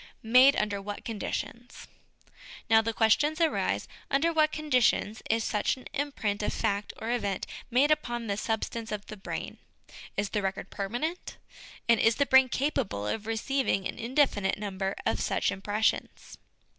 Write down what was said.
Made under what Conditions. Now, the questions arise, Under what conditions is such an imprint of fact or event made upon the substance of the brain ? Is the record permanent ? And is the brain capable of receiving an indefinite number of such impressions?